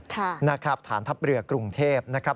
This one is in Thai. ค่ะนะครับฐานทัพเรือกรุงเทพนะครับ